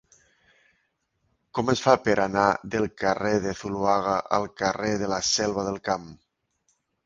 Com es fa per anar del carrer de Zuloaga al carrer de la Selva del Camp?